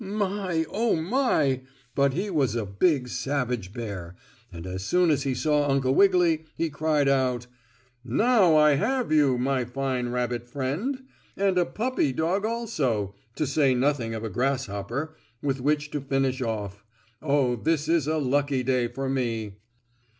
My! Oh, my! But he was a big, savage bear, and as soon as he saw Uncle Wiggily he cried out: "Now I have you, my fine rabbit friend! And a puppy dog also, to say nothing of a grasshopper, with which to finish off. Oh, this is a lucky day for me!"